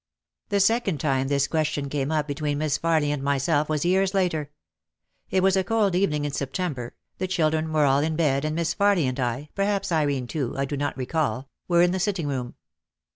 The second time this question came up between Miss Farly and myself was years later. It was a cold evening in September, the children were all in bed and Miss Farly and I, perhaps Irene too, I do not recall, were in the sitting room.